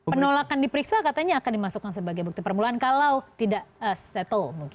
penolakan diperiksa katanya akan dimasukkan sebagai bukti permulaan kalau tidak settle mungkin